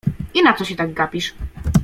I na co się tak gapisz?